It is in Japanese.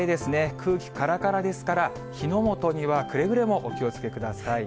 空気からからですから、火の元にはくれぐれもお気をつけください。